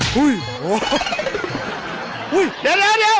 หุ้ยเดี๋ยว